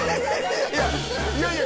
いやいやいや！